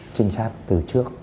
trinh sát từ trước